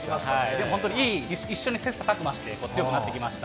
でも本当に、一緒に切さたく磨して強くなってきました。